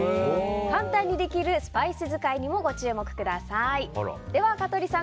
簡単にできるスパイス使いにもご注目ください。